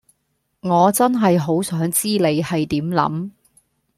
我真係好想知你係點諗